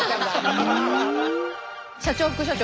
社長副社長。